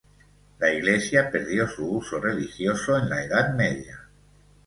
La iglesia perdió su uso religioso en la Edad Media.